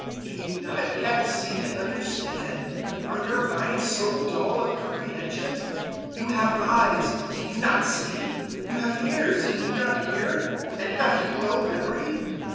Do you not yet see and understand? Are your minds so dull of comprehension? 008:018 You have eyes! can you not see? You have ears! can you not hear? and have you no memory?